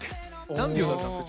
何秒だったんですか？